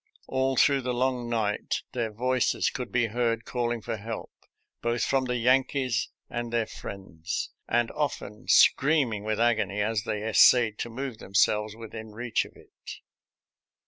All through the long night their voices could be heard calling for help, both from the Yankees and their friends, and often screaming with agony as they essayed to move themselves within reach of it.